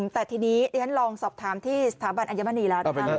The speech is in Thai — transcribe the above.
แต่ทีนี้เราลองสอบถามที่สถาบันอัญมณีราช